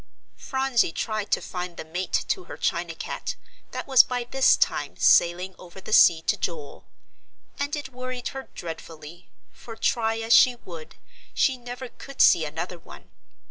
Phronsie tried to find the mate to her china cat, that was by this time sailing over the sea to Joel; and it worried her dreadfully, for, try as she would, she never could see another one.